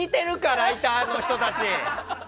ライターの人たち！